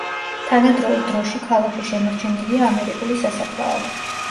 თანადროულ დროში ქალაქში შემორჩენილია ამერიკული სასაფლაო.